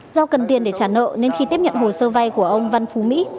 do cần tiền để trả nợ nên khi tiếp nhận hồ sơ vay của ông văn phú mỹ